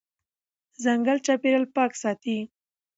ځنګل چاپېریال پاک ساتي.